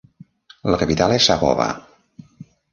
La capital és Saboba.